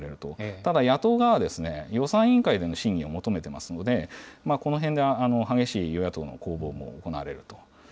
ただ、野党側は、予算委員会での審議を求めてますので、このへんで激しい与野党の攻防も行われると。